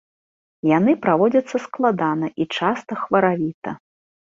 Яны праводзяцца складана і часта хваравіта.